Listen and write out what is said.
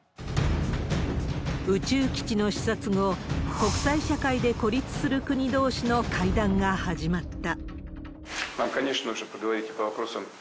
宇宙基地の視察後、国際社会で孤立する国どうしの会談が始まった。